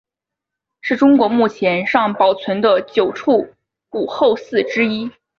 是中国目前尚保存的九处武侯祠之一。